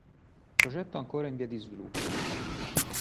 Progetto ancora in via di sviluppo.